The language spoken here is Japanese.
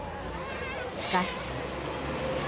しかし。